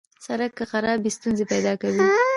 سړک که خراب وي، ستونزې پیدا کوي.